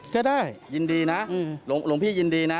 ก็ได้ยินดีนะหลวงพี่ยินดีนะ